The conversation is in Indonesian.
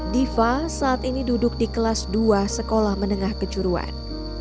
diva saat ini duduk di kelas dua sekolah menengah kejuruan